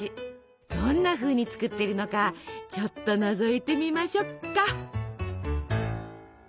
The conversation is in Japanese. どんなふうに作っているのかちょっとのぞいてみましょっか。